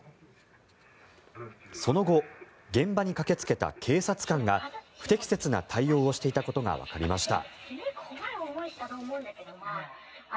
その後現場に駆けつけた警察官が不適切な対応をしていたことがわかりました。